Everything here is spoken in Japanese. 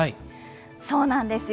そうなんですよ。